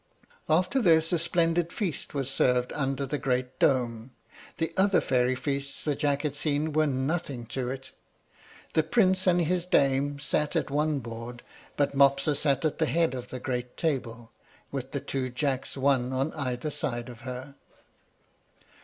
After this a splendid feast was served under the great dome. The other fairy feasts that Jack had seen were nothing to it. The prince and his dame sat at one board, but Mopsa sat at the head of the great table, with the two Jacks, one on each side of her.